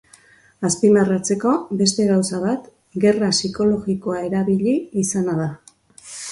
Azpimarratzeko beste gauza bat gerra psikologikoa erabili izana da.